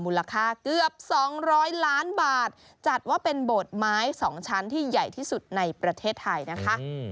มูลค่าเกือบ๒๐๐ล้านบาทจัดว่าเป็นโบสถ์ไม้๒ชั้นที่ใหญ่ที่สุดในประเทศไทยนะคะ